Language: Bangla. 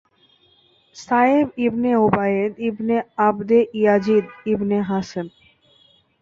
সায়েব ibn Ubayd ibn Abd Yazid ibn Hashem.